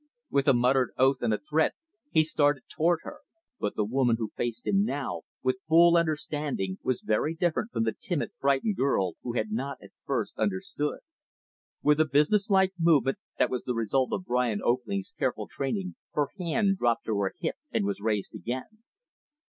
With a muttered oath and a threat, he started toward her. But the woman who faced him now, with full understanding, was very different from the timid, frightened girl who had not at first understood. With a business like movement that was the result of Brian Oakley's careful training, her hand dropped to her hip and was raised again.